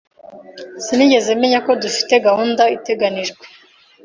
Sinigeze menya ko dufite gahunda iteganijwe.